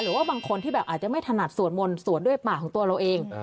หรือว่าบางคนที่แบบอาจจะไม่ถนัดสวดมนต์สวดด้วยปากของตัวเราเอง